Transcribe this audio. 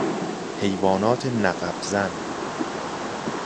حیوانات نقب زن